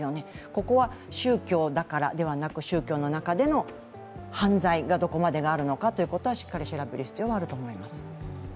ここは、宗教だからではなく宗教の中での犯罪がどこまでがあるのかということはしっかり調べる必要があると思います。